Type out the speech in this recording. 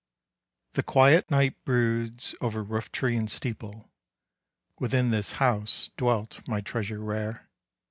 The quiet night broods over roof tree and steeple; Within this house dwelt my treasure rare.